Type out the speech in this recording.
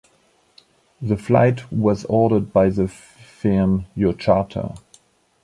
The flight was ordered by the firm "Your Charter".